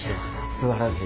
すばらしい。